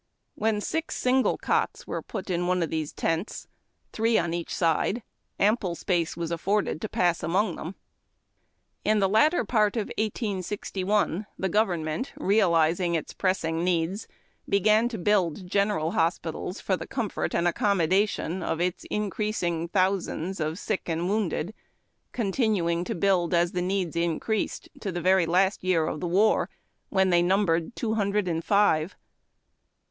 When six single cots were put in one of these tents, three on each side, ample space was ;iiroi(|ftd to pass among them. In the latter part of 1861, the government, r.;di/.i ng its press ing needs, began to build general hospitals lor the comfort A T\VO WHEET.EI> AMBULANCE. and acconrmodation of its increasing thousiuMU of sick and wounded, continuing to build, as the needs ijni .'ased, to the very last year of the war, when they nnmbered two hundred and five.